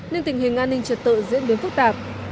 nên tình hình an ninh trật tự diễn biến phức tạp